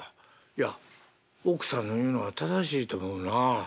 いや奥さんの言うのは正しいと思うなあ」。